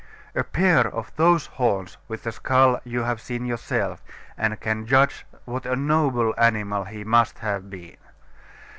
A pair of those horns with the skull you have seen yourself, and can judge what a noble animal he must have been.